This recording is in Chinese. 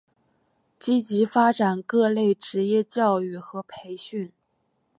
积极发展各类职业教育和培训。